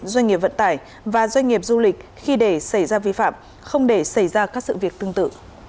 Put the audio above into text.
doanh nghiệp vận tải và doanh nghiệp du lịch khi để xảy ra vi phạm không để xảy ra các sự việc tương tự